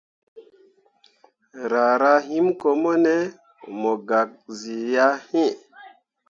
Raara him ko mone mu gak zilah iŋ.